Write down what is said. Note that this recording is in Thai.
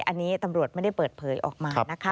อันนี้ตำรวจไม่ได้เปิดเผยออกมานะคะ